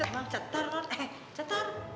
emang cetar kan eh cetar